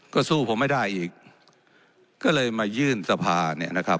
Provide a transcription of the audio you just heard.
ก็สู้ผมไม่ได้อีกก็เลยมายื่นสภาเนี่ยนะครับ